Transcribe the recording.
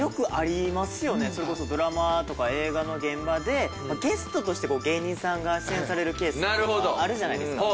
それこそドラマとか映画の現場でゲストとして芸人さんが出演されるケースっていうのはあるじゃないですか。